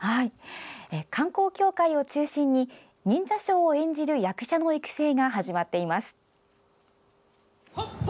観光協会を中心に忍者ショーを演じる役者の育成が始まっています。